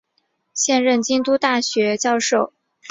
现任京都大学教授。